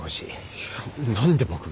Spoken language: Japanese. いや何で僕が！？